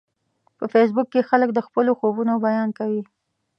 په فېسبوک کې خلک د خپلو خوبونو بیان کوي